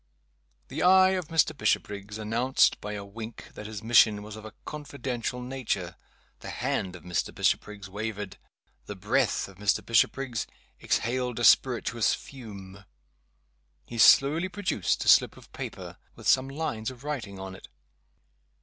The eye of Mr. Bishopriggs announced, by a wink, that his mission was of a confidential nature. The hand of Mr. Bishopriggs wavered; the breath of Mr. Bishopriggs exhaled a spirituous fume. He slowly produced a slip of paper, with some lines of writing on it.